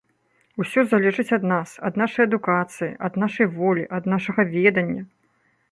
Усё залежыць ад нас, ад нашай адукацыі, ад нашай волі, ад нашага ведання.